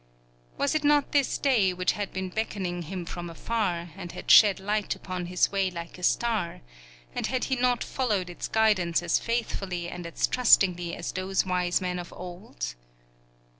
Was it not this day which had been beckoning him from afar, and had shed light upon his way like a star, and had he not followed its guidance as faithfully and as trustingly as those wise men of old?